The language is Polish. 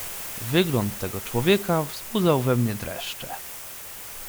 "Wygląd tego człowieka wzbudzał we mnie dreszcze."